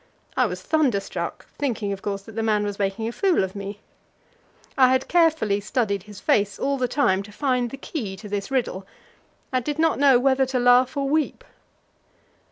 I was thunderstruck, thinking, of course, that the man was making a fool of me. I had carefully studied his face all the time to find the key to this riddle, and did not know whether to laugh or weep.